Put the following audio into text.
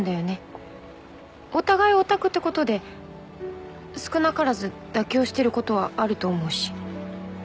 お互いヲタクってことで少なからず妥協してることはあると思うし。